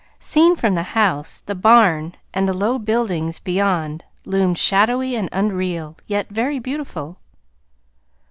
Seen from the house, the barn and the low buildings beyond loomed shadowy and unreal, yet very beautiful.